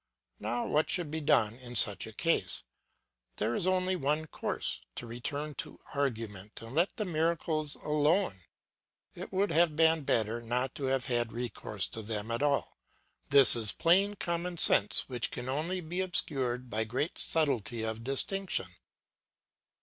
Now, what should be done in such a case? There is only one course; to return to argument and let the miracles alone. It would have been better not to have had recourse to them at all. That is plain common sense which can only be obscured by great subtlety of distinction.